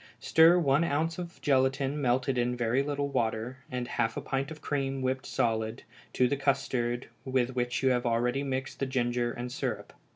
Stir one ounce of gelatine melted in very little water, and half a pint of cream whipped solid, to the custard with which you have already mixed the ginger and syrup.